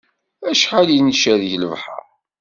Acḥal i ncerreg lebḥer